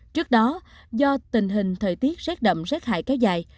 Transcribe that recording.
trước đó do tình hình thời tiết rét đậm rét hại kéo dài